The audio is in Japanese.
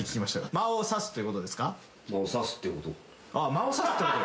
間をさすってこと。